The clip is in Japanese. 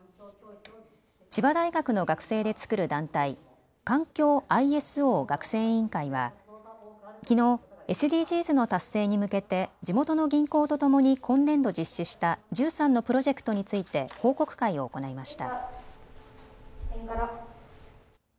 千葉大学の学生で作る団体、環境ＩＳＯ学生委員会はきのうＳＤＧｓの達成に向けて地元の銀行とともに今年度実施した１３のプロジェクトについて報告会を行いました。